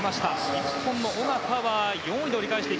日本の小方は４位で折り返し。